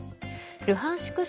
ルハンシク